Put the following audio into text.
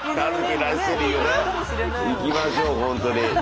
いきましょうほんとに。